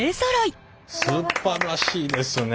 すばらしいですね。